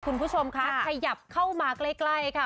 คุณผู้ชมคะขยับเข้ามาใกล้ค่ะ